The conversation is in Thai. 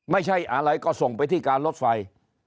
ไม่ใช่อะไรก็ส่งไปที่การรถไฟ